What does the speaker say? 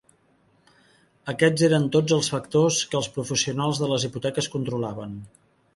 Aquests eren tots els factors que els professionals de les hipoteques controlaven.